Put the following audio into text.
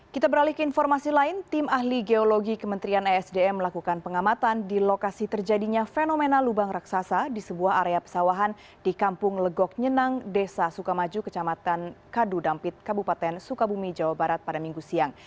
kita beralih ke informasi lain tim ahli geologi kementerian esdm melakukan pengamatan di lokasi terjadinya fenomena lubang raksasa di sebuah area pesawahan di kampung legok nyenang desa sukamaju kecamatan kadu dampit kabupaten sukabumi jawa barat pada minggu siang